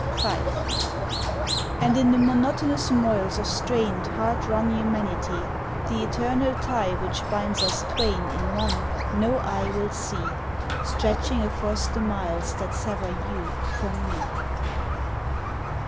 V And in the monotonous moils of strained, hard run Humanity, The eternal tie which binds us twain in one No eye will see Stretching across the miles that sever you from me.